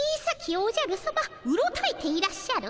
おじゃるさまうろたえていらっしゃる。